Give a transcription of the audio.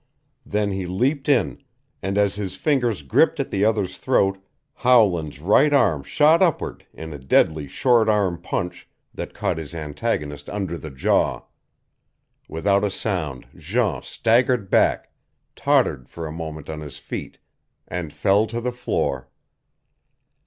Then he leaped in, and as his fingers gripped at the other's throat Howland's right arm shot upward in a deadly short arm punch that caught his antagonist under the jaw. Without a sound Jean staggered back, tottered for a moment on his feet, and fell to the floor.